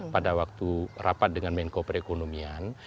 pada waktu rapat dengan menko perekonomian